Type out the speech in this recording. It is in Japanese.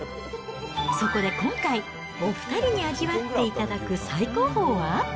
そこで今回、お２人に味わっていただく最高峰は。